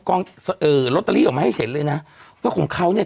เอ่อลอตเตอรี่ออกมาให้เห็นเลยนะว่าของเขาเนี่ย